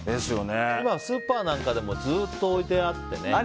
今、スーパーなんかでもずっと置いてあってね。